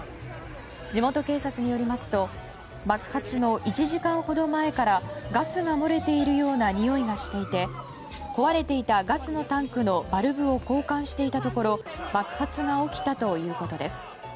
地元警察によりますと爆発の１時間ほど前からガスが漏れているようなにおいがしていて壊れていたガスのタンクのバルブを交換していたところ爆発が起きたということです。